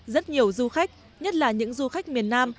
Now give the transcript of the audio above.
rất nhiều du khách nhất là những du khách miền nam